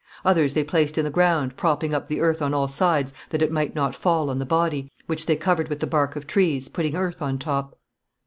Others they placed in the ground, propping up the earth on all sides that it might not fall on the body, which they covered with the bark of trees, putting earth on top.